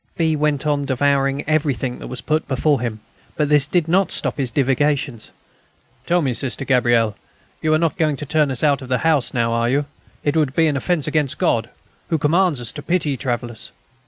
B. went on devouring everything that was put before him; but this did not put a stop to his divagations. "Tell me, Sister Gabrielle, you are not going to turn us out of the house now, are you? It would be an offence against God, who commands us to pity travellers.